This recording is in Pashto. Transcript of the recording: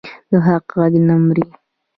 د حق غږ نه مري